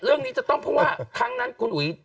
เรื่องนี้จะต้องเพราะว่าครั้งนั้นคุณอุ๋ย